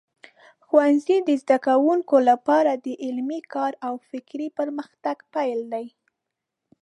ښوونځی د زده کوونکو لپاره د علمي کار او فکري پرمختګ پیل دی.